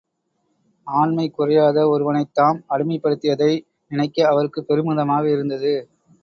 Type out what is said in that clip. ஆண்மை குறையாத ஒருவனைத் தாம் அடிமைப்படுத்தியதை நினைக்க அவருக்குப் பெருமிதமாக இருந்தது.